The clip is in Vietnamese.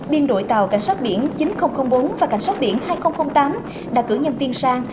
biên đội tàu cảnh sát biển chín nghìn bốn và cảnh sát biển hai nghìn tám đã cử nhân viên sang